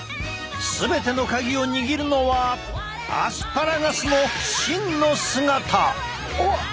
全てのカギを握るのはアスパラガスの真の姿。